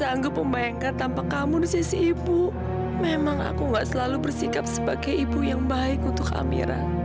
apa papa begitu mengkhawatirkan amira